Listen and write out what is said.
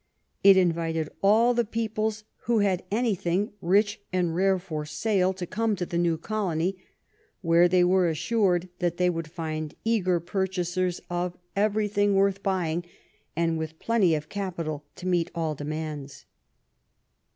It invited all the peoples who had anything rich and rare for sale to come to the new colony, where they were assured that they could find eager purchasers of everything 165 THE REIGN OP QUEEN ANNE worth buying and with plenty of capital to meet all demands.